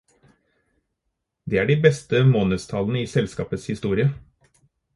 Det er de beste månedstallene i selskapets historie.